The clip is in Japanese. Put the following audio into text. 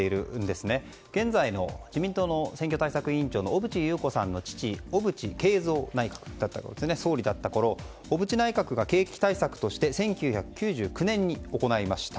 現在の自民党の選挙対策委員長の小渕優子さんの父小渕恵三さんが総理だったころ小渕内閣が景気対策として１９９９年に行いました。